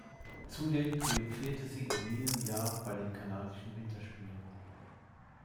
Zudem triumphierte sie in jenem Jahr bei den Kanadischen Winterspielen.